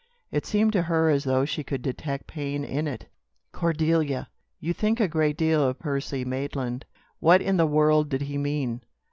It seemed to her as though she could detect pain in it. "Cordelia! You think a great deal of Percy Maitland?" What in the world did he mean?